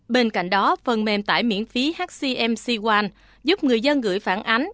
bên cạnh đó phần mềm tải miễn phí hcmc giúp người dân gửi phản ánh